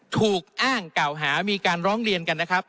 ถูกอ้างกล่าวหามีการร้องเรียนกันนะครับ